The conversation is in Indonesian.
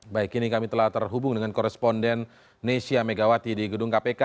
baik kini kami telah terhubung dengan koresponden nesya megawati di gedung kpk